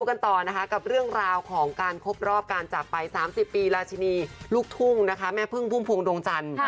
กันต่อนะคะกับเรื่องราวของการครบรอบการจากไป๓๐ปีราชินีลูกทุ่งนะคะแม่พึ่งพุ่มพวงดวงจันทร์